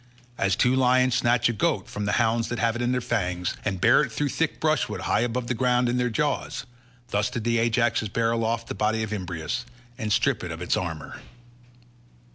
As two lions snatch a goat from the hounds that have it in their fangs, and bear it through thick brushwood high above the ground in their jaws, thus did the Ajaxes bear aloft the body of Imbrius, and strip it of its armour.